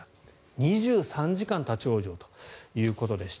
２３時間立ち往生ということでした。